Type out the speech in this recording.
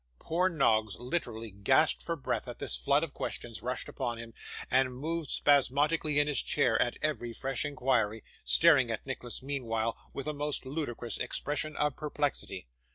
Poor Noggs literally gasped for breath as this flood of questions rushed upon him, and moved spasmodically in his chair at every fresh inquiry, staring at Nicholas meanwhile with a most ludicrous expression of perplexity.